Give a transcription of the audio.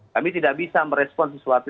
kami tidak bisa merespon sesuatu